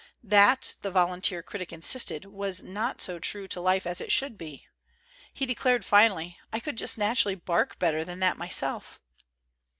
That, the volunteer critic insisted, was not so true to life as it should be; he declared finally, "I could just naturally bark better than that myself."